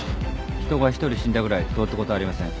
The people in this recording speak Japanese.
人が１人死んだぐらいどうってことありません。